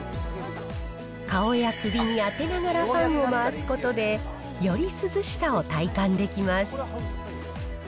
顔や首に当てながらファンを回すことで、より涼しさを体感できます。